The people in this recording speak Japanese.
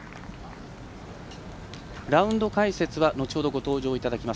ラウンド解説は後ほど登場していただきます